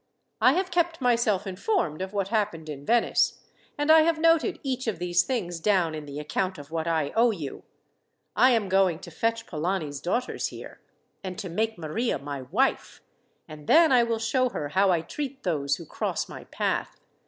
I have kept myself informed of what happened in Venice, and I have noted each of these things down in the account of what I owe you. I am going to fetch Polani's daughters here, and to make Maria my wife, and then I will show her how I treat those who cross my path.